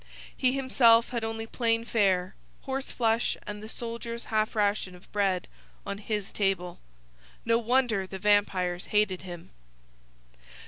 He himself had only plain fare horse flesh and the soldier's half ration of bread on his table. No wonder the vampires hated him!